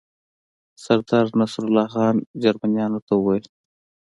سردار نصرالله خان جرمنیانو ته وویل.